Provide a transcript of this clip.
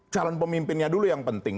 calon pemimpinnya dulu yang penting